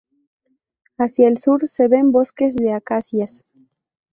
Hacia el sur se ven bosques de acacias.